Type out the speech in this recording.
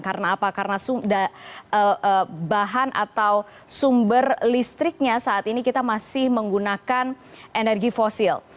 karena apa karena bahan atau sumber listriknya saat ini kita masih menggunakan energi fosil